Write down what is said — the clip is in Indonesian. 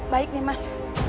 baik nih mas